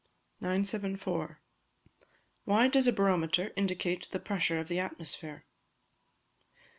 974. _Why does a Barometer indicate the Pressure of the Atmosphere?